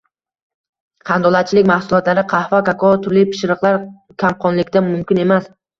Qandolatchilik mahsulotlari, qahva, kakao, turli pishiriqlar kamqonlikda mumkin emas.